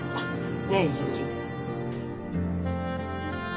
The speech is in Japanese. ねえ。